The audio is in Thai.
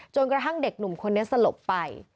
กระทั่งเด็กหนุ่มคนนี้สลบไป